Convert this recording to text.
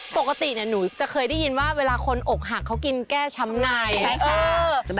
ปกติหนูจะเคยได้ยินว่าเวลาคนอกหักเขากินแก้ช้ำใน